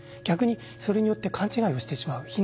逆にそれによって勘違いをしてしまう。